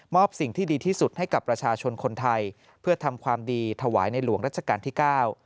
สิ่งที่ดีที่สุดให้กับประชาชนคนไทยเพื่อทำความดีถวายในหลวงรัชกาลที่เก้า